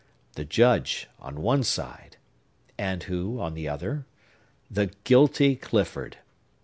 The Judge, on one side! And who, on the other? The guilty Clifford!